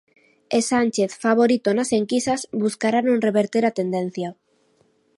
E Sánchez, favorito nas enquisas, buscará non reverter a tendencia.